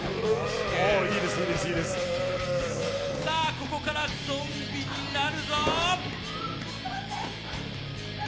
ここからゾンビになるぞ！